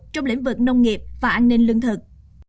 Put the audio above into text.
trong lĩnh vực nông nghiệp và an ninh lương thực